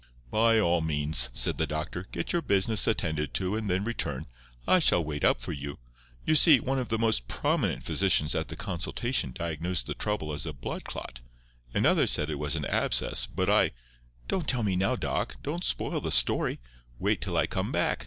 "By all means," said the doctor, "get your business attended to, and then return. I shall wait up for you. You see, one of the most prominent physicians at the consultation diagnosed the trouble as a blood clot; another said it was an abscess, but I—" "Don't tell me now, Doc. Don't spoil the story. Wait till I come back.